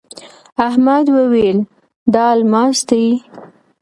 احمد وويل: دا الماس دی.